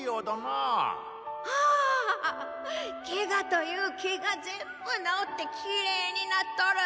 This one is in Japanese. おおケガというケガ全部治ってキレイになっとる！